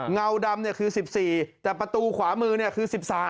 เงาดำคือ๑๔แต่ประตูขวามือเนี่ยคือ๑๓